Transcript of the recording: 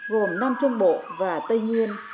gồm nam trung bộ và tây nhiên